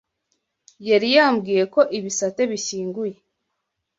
yari yambwiye ko ibisate bishyinguye